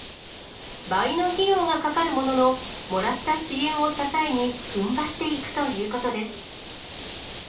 倍の費用がかかるものの、もらった支援を支えに、ふんばっていくということです。